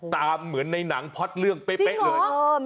เหมือนในหนังพ็อตเรื่องเป๊ะเลย